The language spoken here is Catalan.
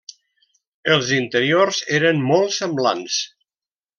Els interiors eren molt semblants.